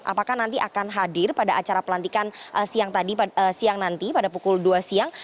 apakah nanti akan hadir pada acara pelantikan siang nanti pada pukul dua siang